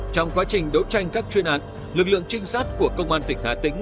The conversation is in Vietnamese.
trong quá trình đấu tranh các chuyên án lực lượng trinh sát của công an tỉnh hà tĩnh